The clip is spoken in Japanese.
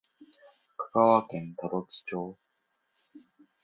香川県多度津町